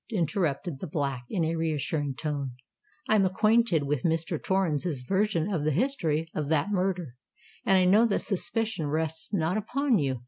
interrupted the Black, in a reassuring tone. "I am acquainted with Mr. Torrens' version of the history of that murder—and I know that suspicion rests not upon you.